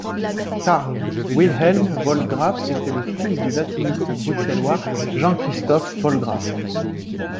Carl Wilhelm Vollgraff était le fils du latiniste bruxellois Jean-Christophe Vollgraff.